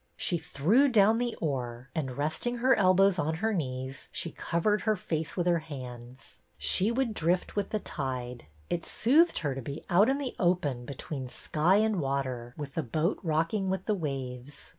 She threw down the oar and, resting her elbows on her knees, she covered her face with her hands. She would drift with the tide. It soothed her to be out in the open between sky and water, with the boat rocking with the waves.